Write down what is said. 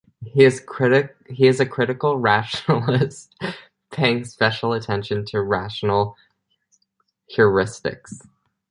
He is a critical rationalist, paying special attention to rational heuristics.